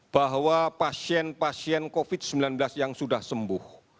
bahwa pasien pasien covid sembilan belas yang sudah sembuh